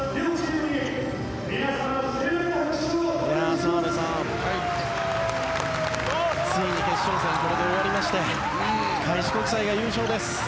澤部さん、ついに決勝戦これで終わりまして開志国際が優勝です。